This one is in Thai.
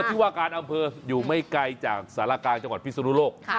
ที่ว่าการอำเภออยู่ไม่ไกลจากสารกลางจังหวัดพิศนุโลก